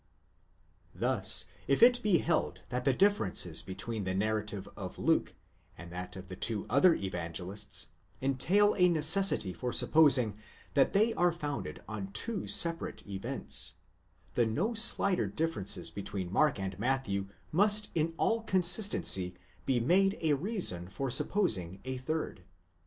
'Thus, if it be held that the differences between the narrative of Luke, and that of the two other Evangelists, entail a necessity for supposing that they are founded on two separate events ; the no slighter differences between Mark and Matthew must in all consistency be made a reason for supposing a third.